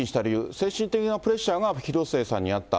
精神的なプレッシャーが広末さんにあった。